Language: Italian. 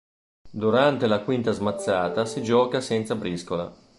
Durante la quinta smazzata si gioca senza briscola.